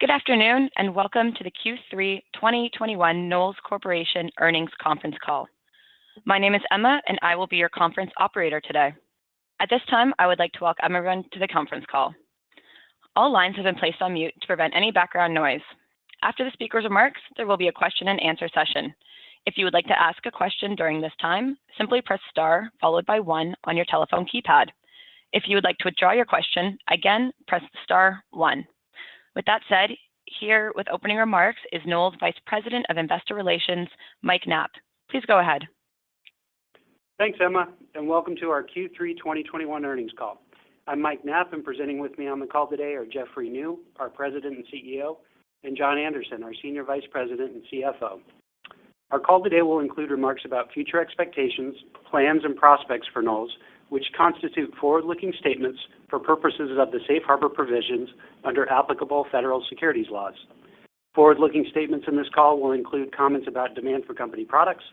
Good afternoon, and welcome to the Q3 2021 Knowles Corporation Earnings Conference Call. My name is Emma, and I will be your conference operator today. At this time, I would like to welcome everyone to the conference call. All lines have been placed on mute to prevent any background noise. After the speaker's remarks, there will be a question and answer session. If you would like to ask a question during this time, simply press star followed by one on your telephone keypad. If you would like to withdraw your question, again, press star one. With that said, here with opening remarks is Knowles' Vice President of Investor Relations, Mike Knapp. Please go ahead. Thanks, Emma, and welcome to our Q3 2021 Earnings Call. I'm Mike Knapp, and presenting with me on the call today are Jeffrey Niew, our President and CEO, and John Anderson, our Senior Vice President and CFO. Our call today will include remarks about future expectations, plans, and prospects for Knowles, which constitute forward-looking statements for purposes of the safe harbor provisions under applicable federal securities laws. Forward-looking statements in this call will include comments about demand for company products,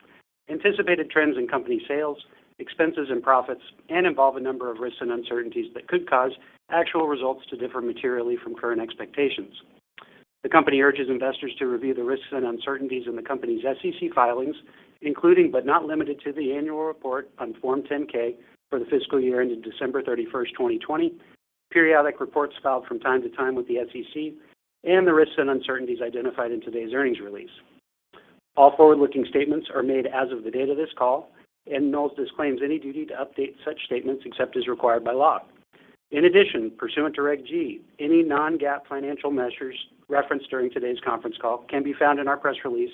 anticipated trends in company sales, expenses, and profits, and involve a number of risks and uncertainties that could cause actual results to differ materially from current expectations. The company urges investors to review the risks and uncertainties in the company's SEC filings, including, but not limited to the annual report on Form 10-K for the fiscal year ended December 31st, 2020, periodic reports filed from time to time with the SEC, and the risks and uncertainties identified in today's earnings release. All forward-looking statements are made as of the date of this call, and Knowles disclaims any duty to update such statements except as required by law. In addition, pursuant to Regulation G, any non-GAAP financial measures referenced during today's conference call can be found in our press release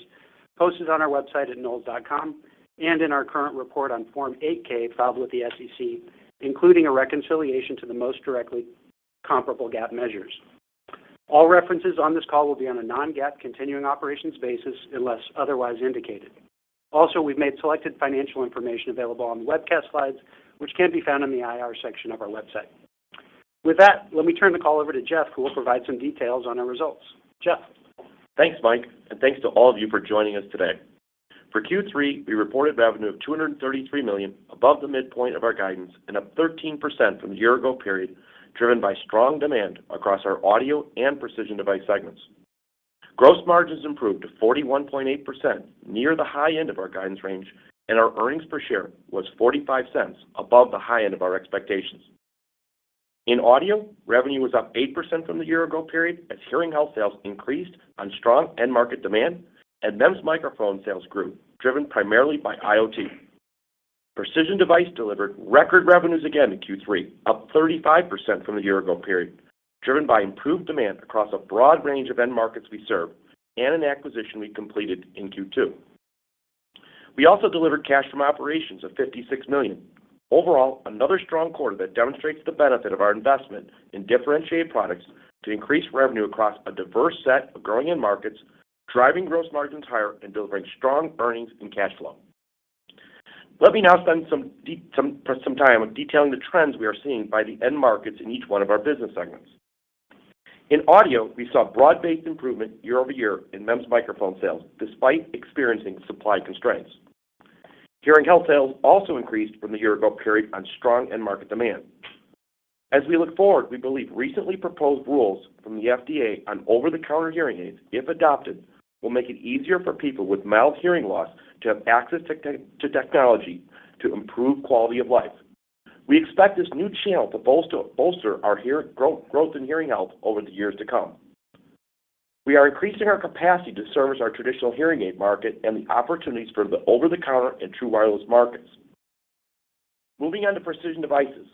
posted on our website at knowles.com and in our current report on Form 8-K filed with the SEC, including a reconciliation to the most directly comparable GAAP measures. All references on this call will be on a non-GAAP continuing operations basis, unless otherwise indicated. We've made selected financial information available on the webcast slides, which can be found in the IR section of our website. With that, let me turn the call over to Jeff, who will provide some details on our results. Jeff. Thanks, Mike, and thanks to all of you for joining us today. For Q3, we reported revenue of $233 million above the midpoint of our guidance and up 13% from the year-ago period, driven by strong demand across our Audio and Precision Devices segments. Gross margins improved to 41.8%, near the high end of our guidance range, and our earnings per share was $0.45 above the high end of our expectations. In Audio, revenue was up 8% from the year-ago period as Hearing Health sales increased on strong end market demand, and MEMS microphone sales grew, driven primarily by IoT. Precision Devices delivered record revenues again in Q3, up 35% from the year-ago period, driven by improved demand across a broad range of end markets we serve and an acquisition we completed in Q2. We also delivered cash from operations of $56 million. Overall, another strong quarter that demonstrates the benefit of our investment in differentiated products to increase revenue across a diverse set of growing end markets, driving gross margins higher and delivering strong earnings and cash flow. Let me now spend some time on detailing the trends we are seeing by the end markets in each one of our business segments. In Audio, we saw broad-based improvement year-over-year in MEMS microphone sales, despite experiencing supply constraints. Hearing Health sales also increased from the year-ago period on strong end market demand. As we look forward, we believe recently proposed rules from the FDA on over-the-counter hearing aids, if adopted, will make it easier for people with mild hearing loss to have access to technology to improve quality of life. We expect this new channel to bolster our growth in Hearing Health over the years to come. We are increasing our capacity to service our traditional hearing aid market and the opportunities for the over-the-counter and true wireless markets. Moving on to Precision Devices.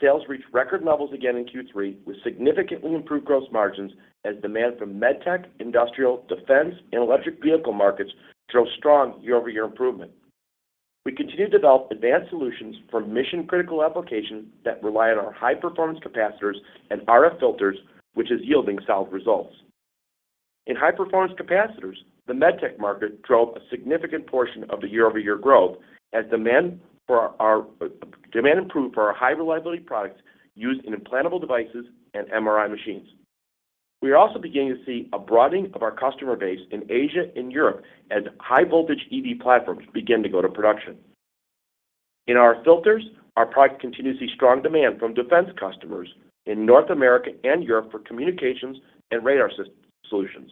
Sales reached record levels again in Q3, with significantly improved gross margins as demand from medtech, industrial, defense, and electric vehicle markets drove strong year-over-year improvement. We continue to develop advanced solutions for mission-critical applications that rely on our high-performance capacitors and RF filters, which is yielding solid results. In high-performance capacitors, the medtech market drove a significant portion of the year-over-year growth as demand improved for our high-reliability products used in implantable devices and MRI machines. We are also beginning to see a broadening of our customer base in Asia and Europe as high-voltage EV platforms begin to go to production. In our filters, our product continues to see strong demand from defense customers in North America and Europe for communications and radar solutions.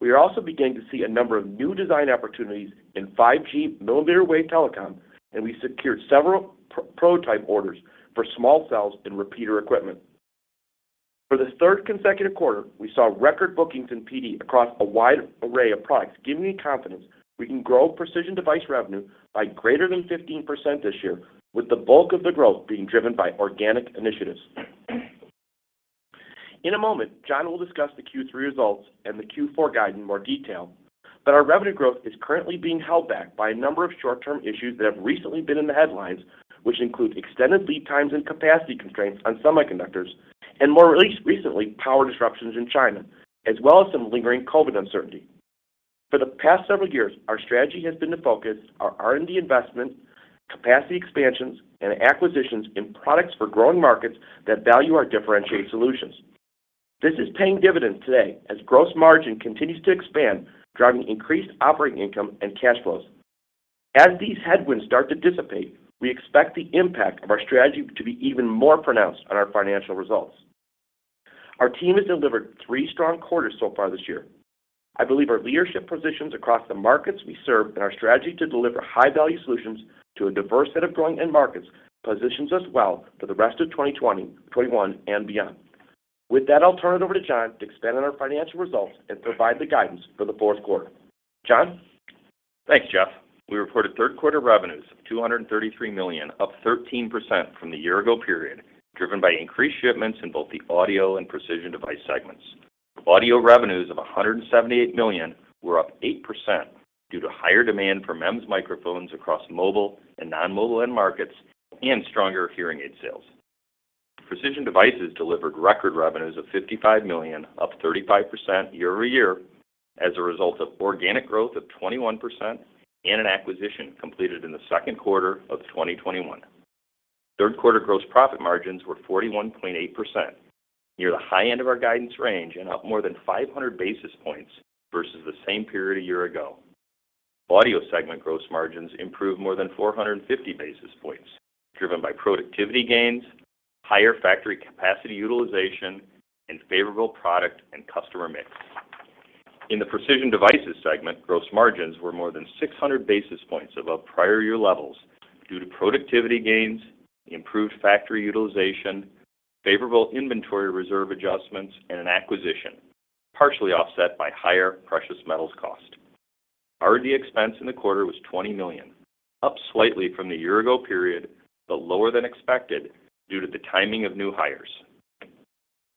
We are also beginning to see a number of new design opportunities in 5G mm wave telecom, and we secured several prototype orders for small cells and repeater equipment. For the third consecutive quarter, we saw record bookings in PD across a wide array of products, giving me confidence we can grow Precision Devices revenue by greater than 15% this year, with the bulk of the growth being driven by organic initiatives. In a moment, John will discuss the Q3 results and the Q4 guide in more detail, but our revenue growth is currently being held back by a number of short-term issues that have recently been in the headlines, which include extended lead times and capacity constraints on semiconductors, and more recently, power disruptions in China, as well as some lingering COVID uncertainty. For the past several years, our strategy has been to focus our R&D investment, capacity expansions, and acquisitions in products for growing markets that value our differentiated solutions. This is paying dividends today as gross margin continues to expand, driving increased operating income and cash flows. As these headwinds start to dissipate, we expect the impact of our strategy to be even more pronounced on our financial results. Our team has delivered three strong quarters so far this year. I believe our leadership positions across the markets we serve, and our strategy to deliver high-value solutions to a diverse set of growing end markets, positions us well for the rest of 2020, 2021, and beyond. With that, I'll turn it over to John to expand on our financial results and provide the guidance for the fourth quarter. John? Thanks, Jeff. We reported third quarter revenues of $233 million, up 13% from the year ago period, driven by increased shipments in both the Audio and Precision Devices segments. Audio revenues of $178 million were up 8% due to higher demand for MEMS microphones across mobile and non-mobile end markets and stronger hearing aid sales. Precision Devices delivered record revenues of $55 million, up 35% year-over-year, as a result of organic growth of 21% and an acquisition completed in the second quarter of 2021. Third quarter gross profit margins were 41.8%, near the high end of our guidance range and up more than 500 basis points versus the same period a year ago. Audio segment gross margins improved more than 450 basis points, driven by productivity gains, higher factory capacity utilization, and favorable product and customer mix. In the Precision Devices segment, gross margins were more than 600 basis points above prior year levels due to productivity gains, improved factory utilization, favorable inventory reserve adjustments, and an acquisition partially offset by higher precious metals cost. R&D expense in the quarter was $20 million, up slightly from the year ago period, but lower than expected due to the timing of new hires.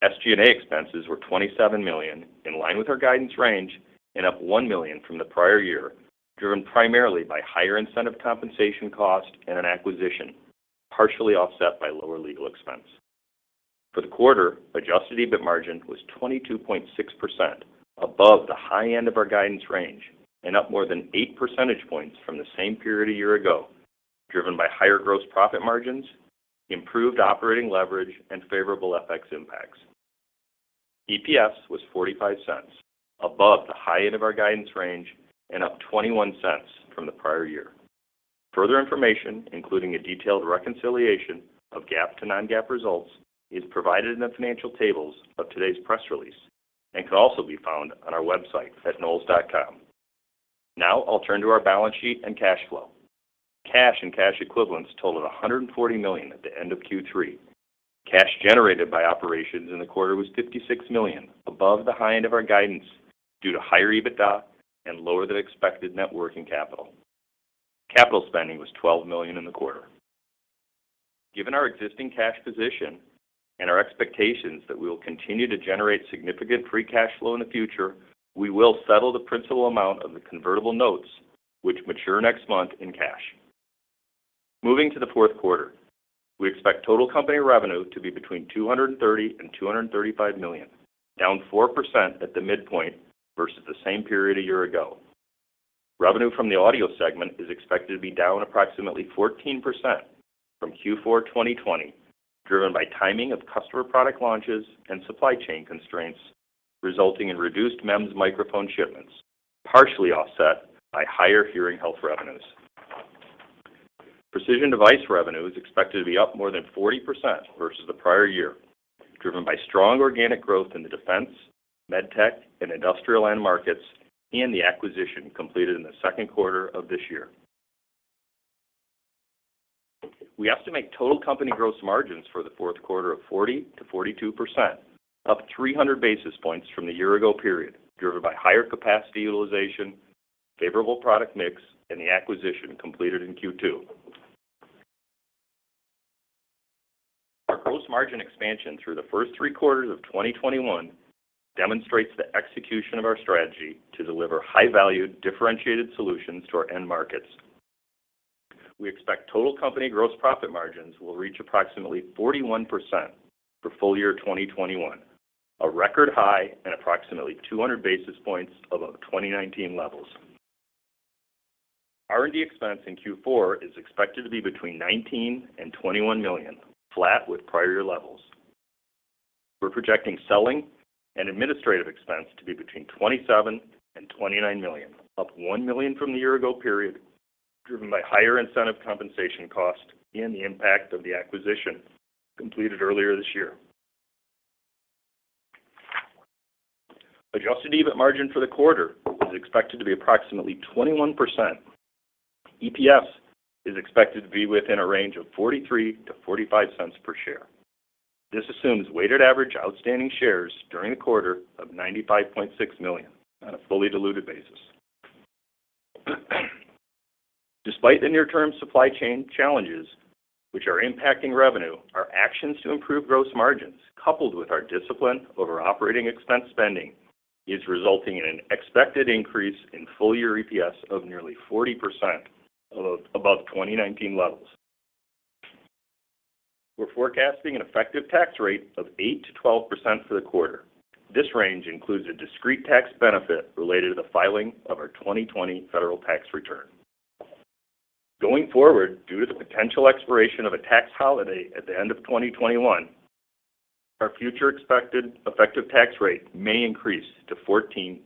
SG&A expenses were $27 million, in line with our guidance range, and up $1 million from the prior year, driven primarily by higher incentive compensation cost and an acquisition partially offset by lower legal expense. For the quarter, adjusted EBIT margin was 22.6%, above the high end of our guidance range, and up more than eight percentage points from the same period a year ago, driven by higher gross profit margins, improved operating leverage, and favorable FX impacts. EPS was $0.45, above the high end of our guidance range, and up $0.21 from the prior year. Further information, including a detailed reconciliation of GAAP to non-GAAP results, is provided in the financial tables of today's press release and can also be found on our website at knowles.com. Now I'll turn to our balance sheet and cash flow. Cash and cash equivalents totaled $140 million at the end of Q3. Cash generated by operations in the quarter was $56 million, above the high end of our guidance due to higher EBITDA and lower than expected net working capital. Capital spending was $12 million in the quarter. Given our existing cash position and our expectations that we will continue to generate significant free cash flow in the future, we will settle the principal amount of the convertible notes which mature next month in cash. Moving to the fourth quarter, we expect total company revenue to be between $230 million and $235 million, down 4% at the midpoint versus the same period a year ago. Revenue from the Audio segment is expected to be down approximately 14% from Q4 2020, driven by timing of customer product launches and supply chain constraints, resulting in reduced MEMS microphone shipments, partially offset by higher Hearing Health revenues. Precision Devices revenue is expected to be up more than 40% versus the prior year, driven by strong organic growth in the defense, medtech, and industrial end markets, and the acquisition completed in the second quarter of this year. We estimate total company gross margins for the fourth quarter of 40%-42%, up 300 basis points from the year ago period, driven by higher capacity utilization, favorable product mix, and the acquisition completed in Q2. Our gross margin expansion through the first three quarters of 2021 demonstrates the execution of our strategy to deliver high-value differentiated solutions to our end markets. We expect total company gross profit margins will reach approximately 41% for full year 2021, a record high and approximately 200 basis points above 2019 levels. R&D expense in Q4 is expected to be between $19 million-$21 million, flat with prior year levels. We're projecting selling and administrative expense to be between $27 million-$29 million, up $1 million from the year ago period, driven by higher incentive compensation cost and the impact of the acquisition completed earlier this year. Adjusted EBIT margin for the quarter is expected to be approximately 21%. EPS is expected to be within a range of $0.43-$0.45 per share. This assumes weighted average outstanding shares during the quarter of 95.6 million on a fully diluted basis. Despite the near-term supply chain challenges which are impacting revenue, our actions to improve gross margins coupled with our discipline over operating expense spending is resulting in an expected increase in full year EPS of nearly 40% above 2019 levels. We're forecasting an effective tax rate of 8%-12% for the quarter. This range includes a discrete tax benefit related to the filing of our 2020 federal tax return. Going forward, due to the potential expiration of a tax holiday at the end of 2021. Our future expected effective tax rate may increase to 14%-18%.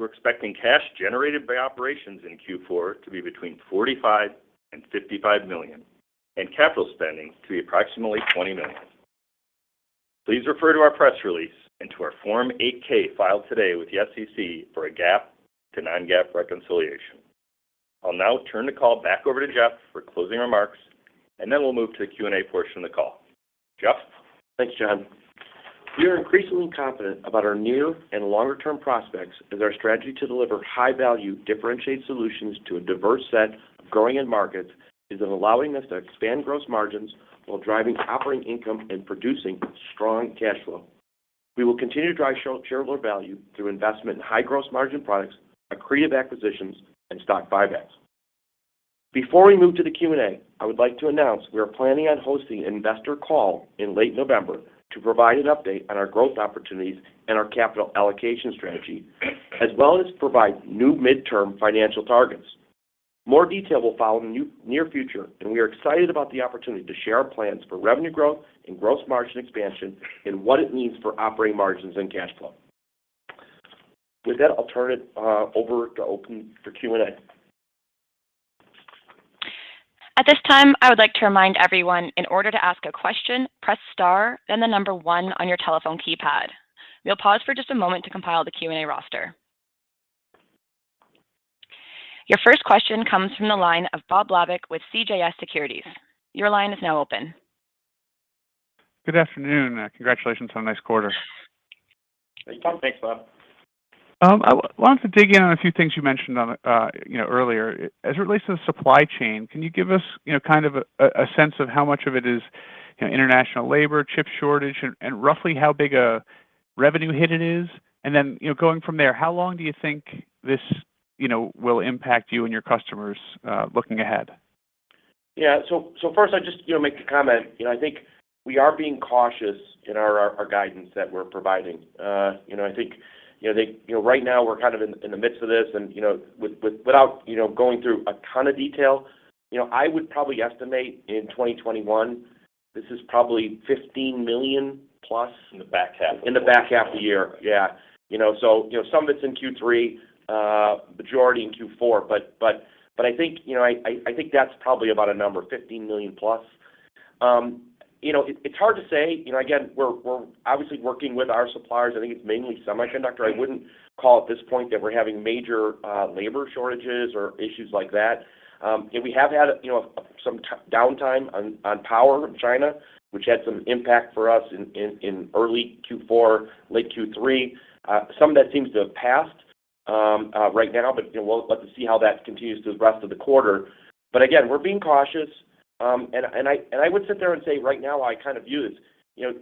We're expecting cash generated by operations in Q4 to be between $45 million and $55 million, and capital spending to be approximately $20 million. Please refer to our press release and to our Form 8-K filed today with the SEC for a GAAP to non-GAAP reconciliation. I'll now turn the call back over to Jeff for closing remarks, and then we'll move to the Q&A portion of the call. Jeff? Thanks, John. We are increasingly confident about our near and longer-term prospects as our strategy to deliver high-value, differentiated solutions to a diverse set of growing end markets is allowing us to expand gross margins while driving operating income and producing strong cash flow. We will continue to drive shareholder value through investment in high gross margin products, accretive acquisitions, and stock buybacks. Before we move to the Q&A, I would like to announce we are planning on hosting an investor call in late November to provide an update on our growth opportunities and our capital allocation strategy, as well as provide new midterm financial targets. More detail will follow in the near future, and we are excited about the opportunity to share our plans for revenue growth and gross margin expansion and what it means for operating margins and cash flow. With that, I'll turn it over to open for Q&A. At this time, I would like to remind everyone in order to ask a question, press star, then the number one on your telephone keypad. We'll pause for just a moment to compile the Q&A roster. Your first question comes from the line of Bob Labick with CJS Securities. Your line is now open. Good afternoon. Congratulations on a nice quarter. Thanks, Bob. Thanks Bob. I wanted to dig in on a few things you mentioned on, you know, earlier. As it relates to the supply chain, can you give us, you know, kind of a sense of how much of it is, you know, international labor, chip shortage, and roughly how big a revenue hit it is? And then, you know, going from there, how long do you think this, you know, will impact you and your customers, looking ahead? Yeah. First I just, you know, make a comment. You know, I think we are being cautious in our guidance that we're providing. You know, I think, you know. You know, right now we're kind of in the midst of this and, you know, with or without, you know, going through a ton of detail, you know, I would probably estimate in 2021, this is probably $15 million+. In the back half. In the back half of the year. Yeah. You know, some of it's in Q3, majority in Q4. I think that's probably about a number, $15 million+. You know, it's hard to say. You know, again, we're obviously working with our suppliers. I think it's mainly semiconductor. I wouldn't call at this point that we're having major labor shortages or issues like that. We have had some downtime on power in China, which had some impact for us in early Q4, late Q3. Some of that seems to have passed right now, but you know, we'd like to see how that continues through the rest of the quarter. Again, we're being cautious. I would sit there and say right now, I kind of view this, you know,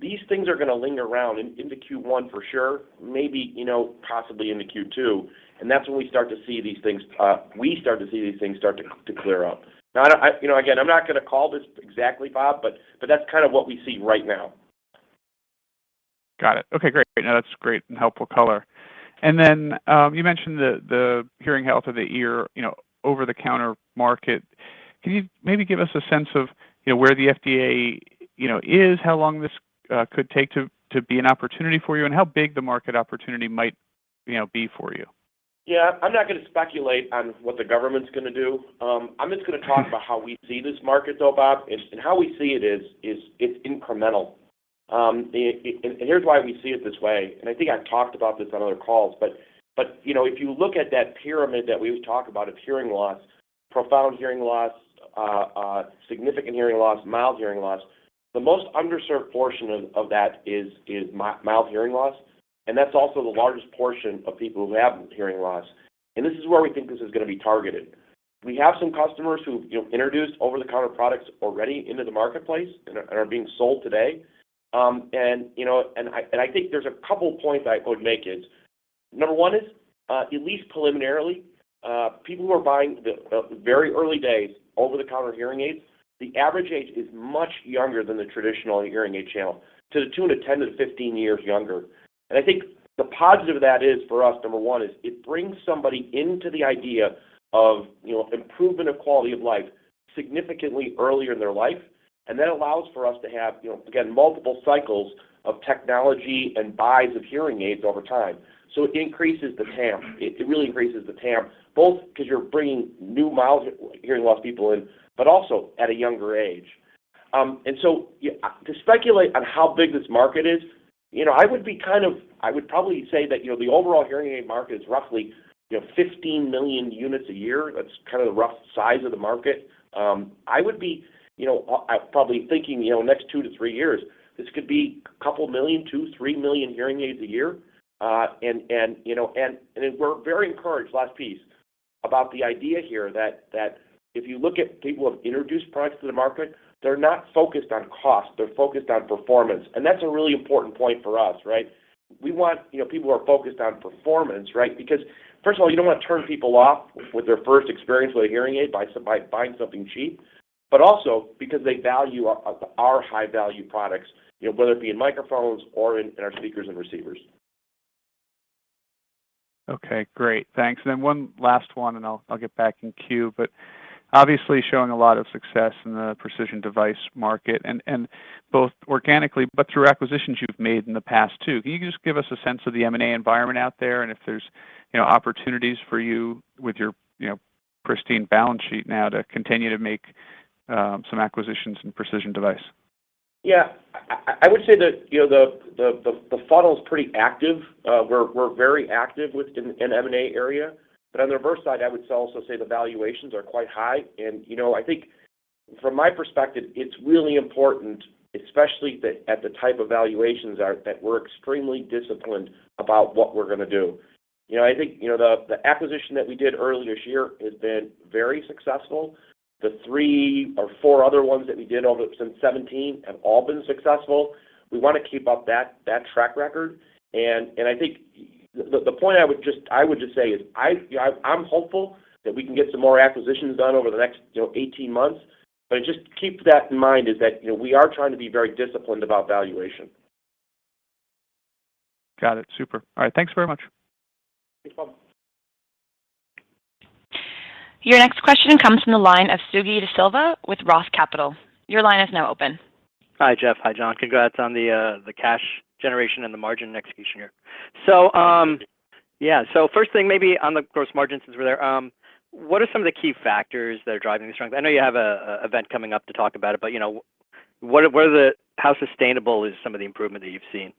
these things are gonna linger around into Q1 for sure, maybe, you know, possibly into Q2, and that's when we start to see these things start to clear up. Now, you know, again, I'm not gonna call this exactly, Bob, but that's kind of what we see right now. Got it. Okay, great. No, that's great and helpful color. You mentioned the Hearing Health of the ear, you know, over-the-counter market. Can you maybe give us a sense of, you know, where the FDA, you know, is, how long this could take to be an opportunity for you, and how big the market opportunity might, you know, be for you? Yeah. I'm not gonna speculate on what the government's gonna do. I'm just gonna talk about how we see this market though, Bob, and how we see it is, it's incremental. Here's why we see it this way, and I think I've talked about this on other calls. You know, if you look at that pyramid that we've talked about of hearing loss, profound hearing loss, significant hearing loss, mild hearing loss, the most underserved portion of that is mild hearing loss, and that's also the largest portion of people who have hearing loss, and this is where we think this is gonna be targeted. We have some customers who've, you know, introduced over-the-counter products already into the marketplace and are being sold today. I think there's a couple points I would make is, number one is, at least preliminarily, people who are buying the very early days over-the-counter hearing aids, the average age is much younger than the traditional hearing aid channel to the tune of 10-15 years younger. I think the positive of that is for us, number one, is it brings somebody into the idea of, you know, improvement of quality of life significantly earlier in their life, and that allows for us to have, you know, again, multiple cycles of technology and buys of hearing aids over time. It increases the TAM. It really increases the TAM, both 'cause you're bringing new mild hearing loss people in, but also at a younger age. To speculate on how big this market is, you know, I would probably say that, you know, the overall hearing aid market is roughly 15 million units a year. That's the rough size of the market. I would be, you know, probably thinking, you know, next two-three years, this could be a couple million, 2 million-3 million hearing aids a year. We're very encouraged, last piece, about the idea here that if you look at people who have introduced products to the market, they're not focused on cost, they're focused on performance, and that's a really important point for us, right? We want, you know, people who are focused on performance, right? Because first of all, you don't wanna turn people off with their first experience with a hearing aid by buying something cheap, but also because they value our high value products, you know, whether it be in microphones or in our speakers and receivers. Okay, great. Thanks. Then one last one, and I'll get back in queue. Obviously showing a lot of success in the Precision Devices market and both organically, but through acquisitions you've made in the past too. Can you just give us a sense of the M&A environment out there and if there's, you know, opportunities for you with your, you know, pristine balance sheet now to continue to make some acquisitions in Precision Devices? Yeah. I would say that, you know, the funnel is pretty active. We're very active in M&A area. On the reverse side, I would also say the valuations are quite high. You know, I think from my perspective, it's really important, especially at the type of valuations that we're extremely disciplined about what we're gonna do. You know, I think the acquisition that we did earlier this year has been very successful. The three or four other ones that we did since 2017 have all been successful. We wanna keep up that track record. I think the point I would just say is I'm hopeful that we can get some more acquisitions done over the next, you know, 18 months. Just keep that in mind is that, you know, we are trying to be very disciplined about valuation. Got it. Super. All right. Thanks very much. No problem. Your next question comes from the line of Suji Desilva with Roth Capital. Your line is now open. Hi, Jeff. Hi, John. Congrats on the cash generation and the margin execution here. First thing, maybe on the gross margin, since we're there, what are some of the key factors that are driving the strength? I know you have an event coming up to talk about it, but you know, how sustainable is some of the improvement that you've seen?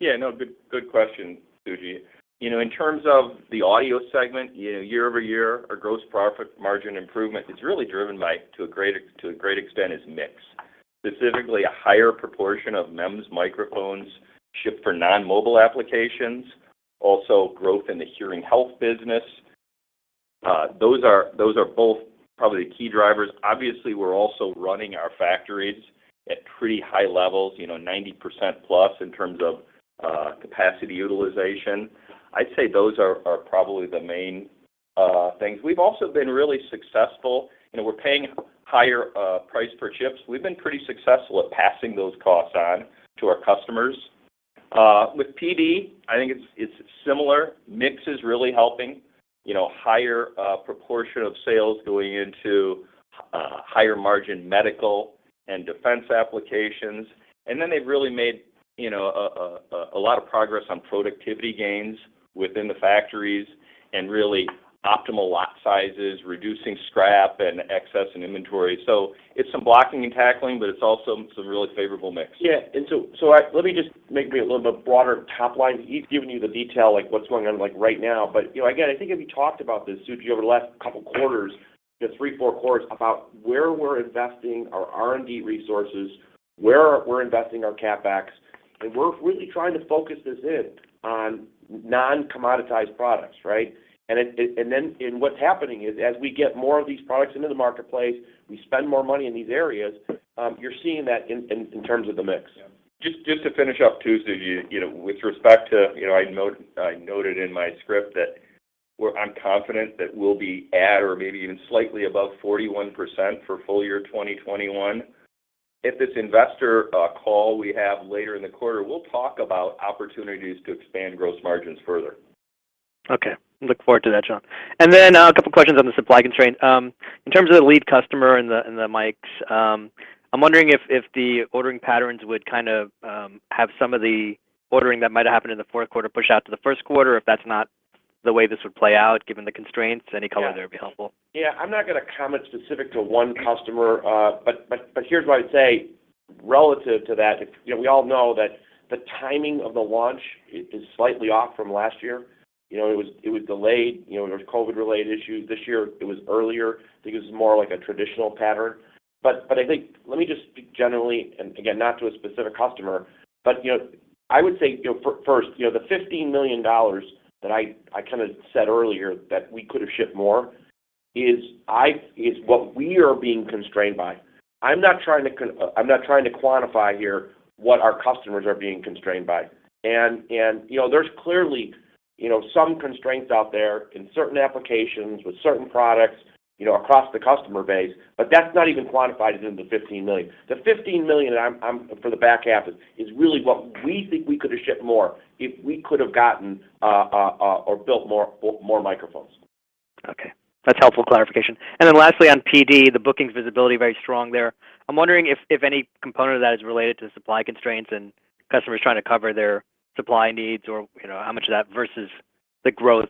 Good question, Suji. You know, in terms of the audio segment, you know, year-over-year, our gross profit margin improvement is really driven by, to a great extent, mix. Specifically a higher proportion of MEMS microphones shipped for non-mobile applications, also growth in the Hearing Health business. Those are both probably the key drivers. Obviously, we're also running our factories at pretty high levels, you know, 90%+ in terms of capacity utilization. I'd say those are probably the main things. We've also been really successful. You know, we're paying higher price per chips. We've been pretty successful at passing those costs on to our customers. With PD, I think it's similar. Mix is really helping, you know, higher proportion of sales going into higher margin medical and defense applications. Then they've really made, you know, a lot of progress on productivity gains within the factories and really optimal lot sizes, reducing scrap and excess in inventory. It's some blocking and tackling, but it's also some really favorable mix. Yeah. Let me just maybe a little bit broader top line. He's given you the detail, like what's going on, like, right now. You know, again, I think as we talked about this, Suji, over the last couple quarters, the three, four quarters, about where we're investing our R&D resources, where we're investing our CapEx, and we're really trying to focus this in on non-commoditized products, right? What's happening is, as we get more of these products into the marketplace, we spend more money in these areas, you're seeing that in terms of the mix. Just to finish up too, Suji, you know, with respect to, you know, I noted in my script that I'm confident that we'll be at or maybe even slightly above 41% for full year 2021. At this investor call we have later in the quarter, we'll talk about opportunities to expand gross margins further. Okay. Look forward to that, John. A couple questions on the supply constraint. In terms of the lead customer and the mics, I'm wondering if the ordering patterns would kind of have some of the ordering that might happen in the fourth quarter push out to the first quarter, if that's not the way this would play out, given the constraints. Any color there would be helpful. Yeah. I'm not gonna comment specific to one customer, but here's what I'd say relative to that. You know, we all know that the timing of the launch is slightly off from last year. You know, it was delayed. You know, there was COVID-related issues. This year, it was earlier. I think it was more like a traditional pattern. I think let me just speak generally and again, not to a specific customer, but, you know, I would say, you know, first, you know, the $15 million that I kinda said earlier that we could have shipped more is what we are being constrained by. I'm not trying to quantify here what our customers are being constrained by. You know, there's clearly, you know, some constraints out there in certain applications with certain products, you know, across the customer base, but that's not even quantified into the 15 million. The 15 million I'm for the back half is really what we think we could have shipped more if we could have gotten or built more microphones. Okay. That's helpful clarification. Then lastly, on PD, the bookings visibility very strong there. I'm wondering if any component of that is related to supply constraints and customers trying to cover their supply needs or, you know, how much of that versus the growth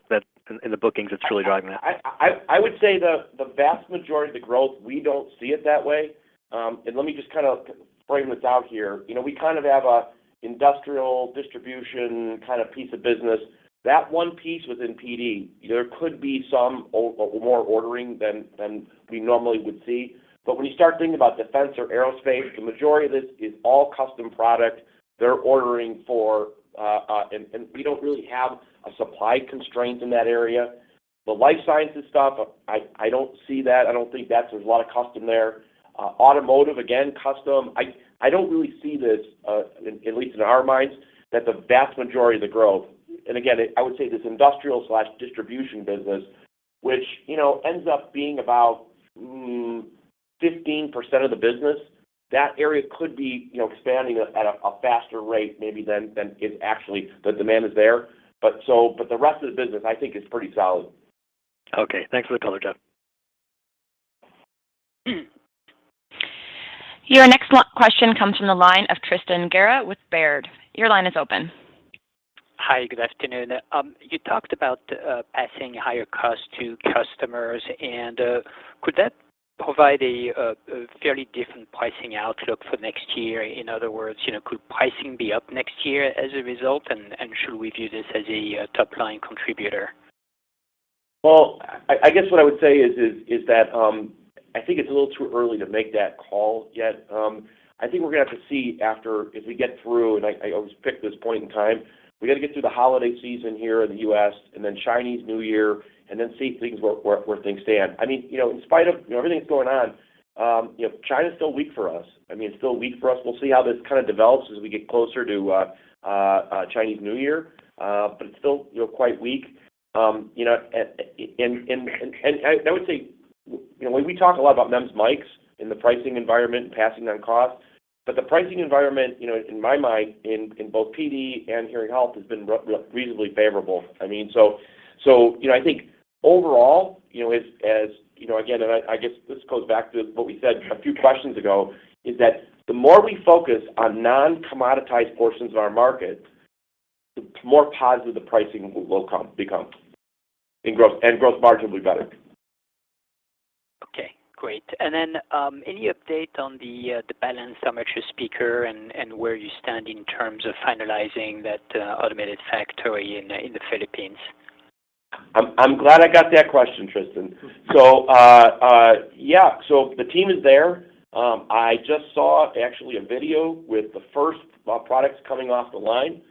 in the bookings that's really driving that. I would say the vast majority of the growth we don't see it that way. Let me just kind of frame this out here. You know, we kind of have an industrial distribution kind of piece of business. That one piece within PD, there could be some or more ordering than we normally would see. When you start thinking about defense or aerospace, the majority of this is all custom product they're ordering for. We don't really have a supply constraint in that area. The life sciences stuff, I don't see that. I don't think that there's a lot of custom there. Automotive, again, custom. I don't really see this, at least in our minds, that the vast majority of the growth. I would say this industrial/distribution business, which, you know, ends up being about 15% of the business, that area could be, you know, expanding at a faster rate maybe than it actually. The demand is there. The rest of the business I think is pretty solid. Okay. Thanks for the color, Jeff. Your next question comes from the line of Tristan Gerra with Baird. Your line is open. Hi. Good afternoon. You talked about passing higher costs to customers, and could that provide a fairly different pricing outlook for next year? In other words, you know, could pricing be up next year as a result, and should we view this as a top-line contributor? Well, I guess what I would say is that I think it's a little too early to make that call yet. I think we're gonna have to see after as we get through, and I always pick this point in time. We gotta get through the holiday season here in the U.S. and then Chinese New Year, and then see where things stand. I mean, you know, in spite of, you know, everything that's going on, you know, China's still weak for us. I mean, it's still weak for us. We'll see how this kind of develops as we get closer to Chinese New Year. It's still, you know, quite weak. You know, I would say, you know, when we talk a lot about MEMS mics and the pricing environment and passing on costs, but the pricing environment, you know, in my mind, in both PD and Hearing Health has been reasonably favorable. I mean, so, you know, I think overall, you know, as you know, again, I guess this goes back to what we said a few questions ago, is that the more we focus on non-commoditized portions of our market, the more positive the pricing will become, and gross margin will be better. Okay. Great. Any update on the balanced armature speaker and where you stand in terms of finalizing that automated factory in the Philippines? I'm glad I got that question, Tristan. Yeah. The team is there. I just saw actually a video with the first products coming off the line.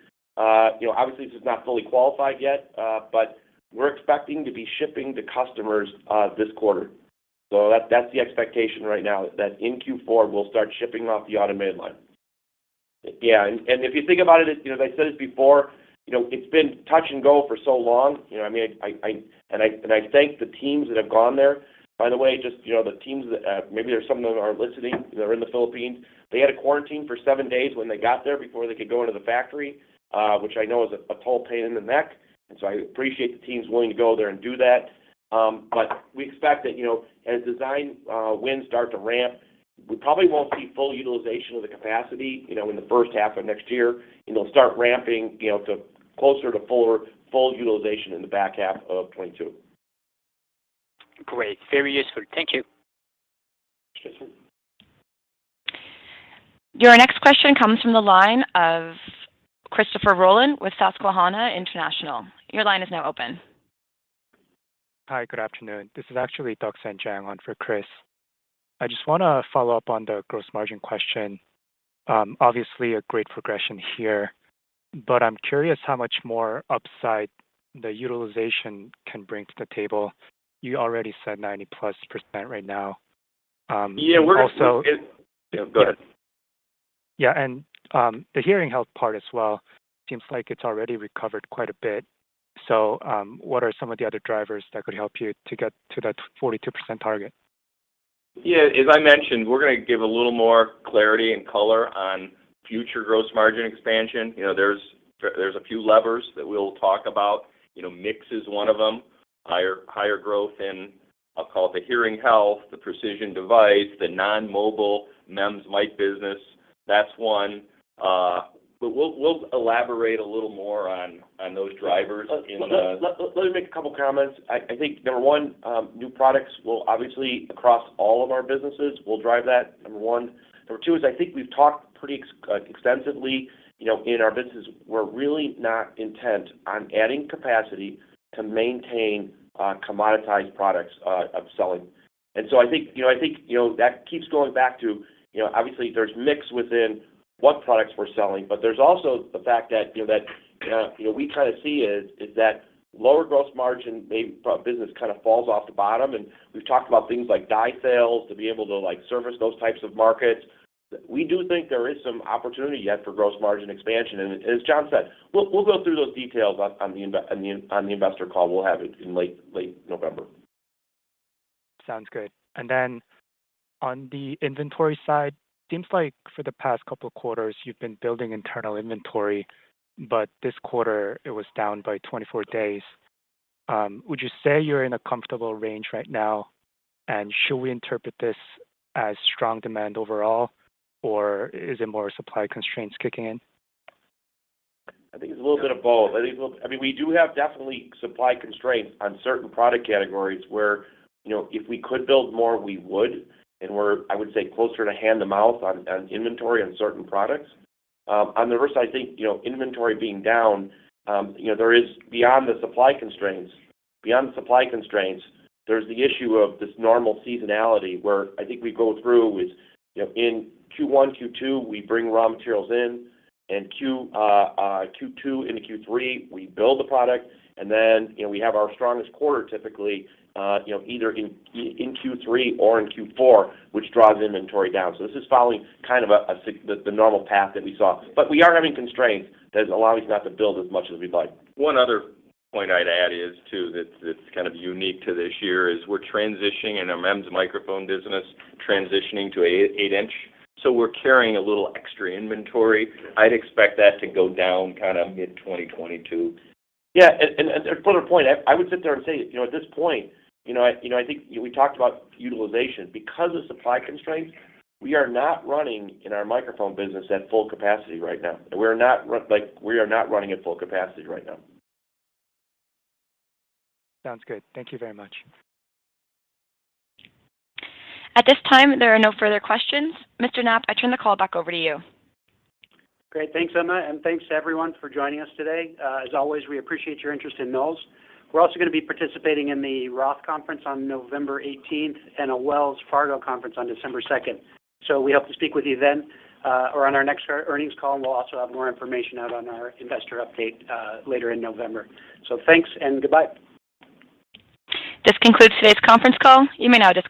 You know, obviously this is not fully qualified yet, but we're expecting to be shipping to customers this quarter. That's the expectation right now, is that in Q4 we'll start shipping off the automated line. Yeah. If you think about it, you know, as I said it before, you know, it's been touch and go for so long. You know, I mean, I thank the teams that have gone there. By the way, just, you know, the teams that maybe there's some of them are listening, they're in the Philippines. They had to quarantine for seven days when they got there before they could go into the factory, which I know is a total pain in the neck, and so I appreciate the teams willing to go there and do that. But we expect that, you know, as design wins start to ramp, we probably won't see full utilization of the capacity, you know, in the first half of next year. It'll start ramping, you know, to closer to full utilization in the back half of 2022. Great. Very useful. Thank you. Thanks, Tristan. Your next question comes from the line of Christopher Rolland with Susquehanna International Group. Your line is now open. Hi. Good afternoon. This is actually Daoxuan Zhang on for Chris. I just wanna follow up on the gross margin question. Obviously, a great progression here, but I'm curious how much more upside the utilization can bring to the table. You already said +90% right now. Yeah. Also- Yeah. Go ahead. Yeah. The Hearing Health part as well seems like it's already recovered quite a bit. What are some of the other drivers that could help you to get to that 42% target? Yeah. As I mentioned, we're gonna give a little more clarity and color on future gross margin expansion. You know, there's a few levers that we'll talk about. You know, mix is one of them, higher growth in, I'll call it the Hearing Health, the Precision Devices, the non-mobile MEMS mic business. That's one. But we'll elaborate a little more on those drivers. Let me make a couple comments. I think number one, new products will obviously across all of our businesses will drive that, number one. Number two is I think we've talked pretty extensively, you know, in our business we're really not intent on adding capacity to maintain commoditized products of selling. I think, you know, that keeps going back to, you know, obviously there's mix within what products we're selling, but there's also the fact that, you know, we kind of see is that lower gross margin MEMS business kind of falls off the bottom, and we've talked about things like die sales to be able to like service those types of markets. We do think there is some opportunity yet for gross margin expansion. As John said, we'll go through those details on the investor call we'll have in late November. Sounds good. On the inventory side, seems like for the past couple quarters you've been building internal inventory, but this quarter it was down by 24 days. Would you say you're in a comfortable range right now, and should we interpret this as strong demand overall, or is it more supply constraints kicking in? I think it's a little bit of both. I mean, we do have definitely supply constraints on certain product categories where, you know, if we could build more, we would, and we're, I would say, closer to hand-to-mouth on inventory on certain products. On the reverse I think, you know, inventory being down, you know, there is beyond the supply constraints, there's the issue of this normal seasonality where I think we go through with, you know, in Q1, Q2, we bring raw materials in, and Q2 into Q3, we build the product. We have our strongest quarter typically, you know, either in Q3 or in Q4, which draws inventory down. This is following kind of the normal path that we saw. We are having constraints that allow us not to build as much as we'd like. One other point I'd add is that that's kind of unique to this year is we're transitioning in our MEMS microphone business, transitioning to 8-in, so we're carrying a little extra inventory. I'd expect that to go down kind of mid-2022. Yeah, to further a point, I would sit there and say, you know, at this point, you know, I think we talked about utilization. Because of supply constraints, we are not running in our microphone business at full capacity right now. We are not, like, running at full capacity right now. Sounds good. Thank you very much. At this time, there are no further questions. Mr. Knapp, I turn the call back over to you. Great. Thanks, Emma, and thanks to everyone for joining us today. As always, we appreciate your interest in Knowles. We're also gonna be participating in the Roth Conference on November 18th and a Wells Fargo conference on December 2nd. We hope to speak with you then, or on our next earnings call, and we'll also have more information out on our investor update, later in November. Thanks, and goodbye. This concludes today's conference call. You may now disconnect.